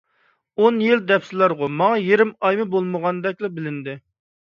ئون يىل دەيسىلەرغۇ، ماڭا يېرىم ئايمۇ بولمىغاندەكلا بىلىندى.